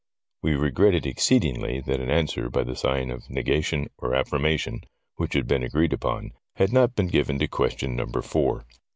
We regretted ex ceedingly that an answer by the sign of negation or affirma tion, which had been agreed upon, had not been given to question number four.